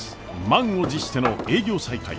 満を持しての営業再開。